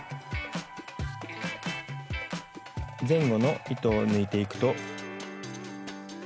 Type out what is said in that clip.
前後の糸を抜いていくと。